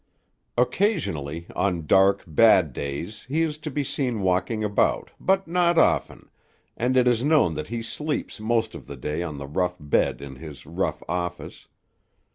Occasionally, on dark, bad days he is to be seen walking about, but not often, and it is known that he sleeps most of the day on the rough bed in his rough office.